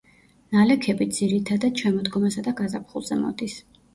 ნალექები, ძირითადად, შემოდგომასა და გაზაფხულზე მოდის.